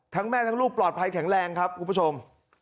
แม่ทั้งลูกปลอดภัยแข็งแรงครับคุณผู้ชม